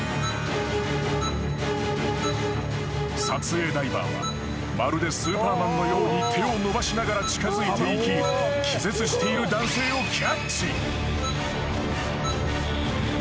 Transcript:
［撮影ダイバーはまるでスーパーマンのように手を伸ばしながら近づいていき気絶している男性を］